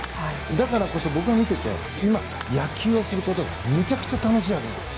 だからこそ、僕は見ていて今、野球をすることがめちゃくちゃ楽しいはずなんです。